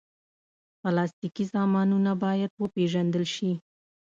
پلاستيکي سامانونه باید وپېژندل شي.